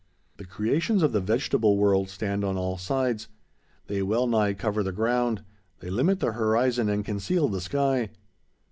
The creations of the vegetable world stand on all sides. They wellnigh cover the ground; they limit the horizon, and conceal the sky.